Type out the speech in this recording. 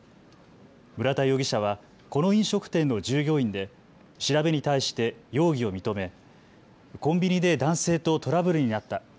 村田容疑者はこの飲食店の従業員で調べに対して容疑を認めコンビニで男性とトラブルになった。